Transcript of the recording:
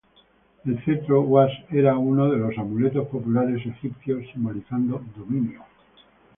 El cetro uas era uno de los amuletos populares egipcios, simbolizando dominio.